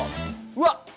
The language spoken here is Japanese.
うわっ！